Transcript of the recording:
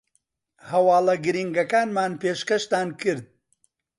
هەواڵە گرینگەکانمان پێشکەشتان کرد